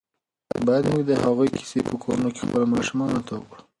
باید موږ د هغوی کیسې په کورونو کې خپلو ماشومانو ته وکړو.